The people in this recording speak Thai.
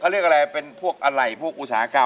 เขาเรียกอะไรเป็นพวกอัลไกรพวกอุสาธารณ์